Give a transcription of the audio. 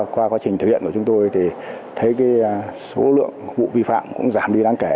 qua quá trình thực hiện của chúng tôi thì thấy số lượng vụ vi phạm cũng giảm đi đáng kể